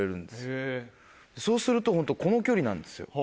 そうするとホントこの距離なんですよ。